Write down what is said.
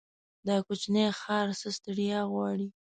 دا کوچينی ښار څه ستړيا غواړي.